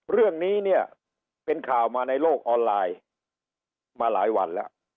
เรื่องนี้เนี่ยเป็นข่าวมาในโลกออนไลน์มาหลายวันแล้ว